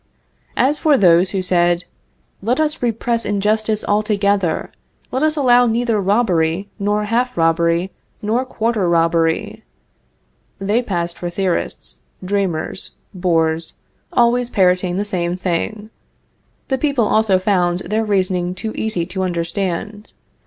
As for those who said, "Let us repress injustice altogether; let us allow neither robbery, nor half robbery, nor quarter robbery," they passed for theorists, dreamers, bores always parroting the same thing. The people also found their reasoning too easy to understand.